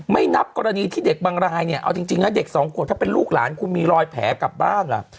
นับกรณีที่เด็กบางรายเนี่ยเอาจริงนะเด็กสองขวบถ้าเป็นลูกหลานคุณมีรอยแผลกลับบ้านล่ะ